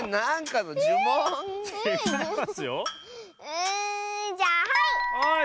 うんじゃあはい！